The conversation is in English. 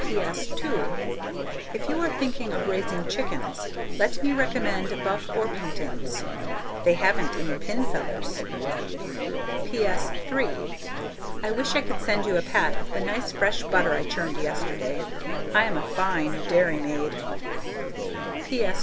PS. (2) If you are thinking of raising chickens, let me recommend Buff Orpingtons. They haven't any pin feathers. PS. (3) I wish I could send you a pat of the nice, fresh butter I churned yesterday. I'm a fine dairy maid! PS.